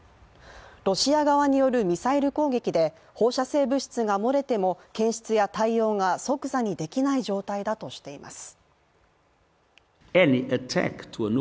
ロシア側によるミサイル攻撃で、放射性物質が漏れても、検出や対応が即座にできない状態だとしています。